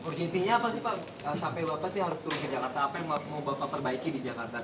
urgensinya apa sih pak sampai bapak harus turun ke jakarta apa yang mau bapak perbaiki di jakarta